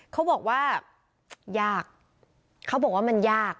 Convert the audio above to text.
เขาบอกว่ายากเขาบอกว่ามันยาก